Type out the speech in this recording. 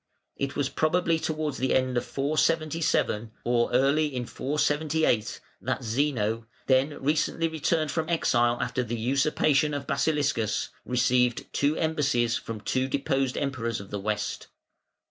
It was probably towards the end of 477, or early in 478, that Zeno, then recently returned from exile after the usurpation of Basiliscus, received two embassies from two deposed Emperors of the West.